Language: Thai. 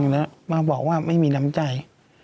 แล้วมาบอกว่าไม่มีน้ำใจ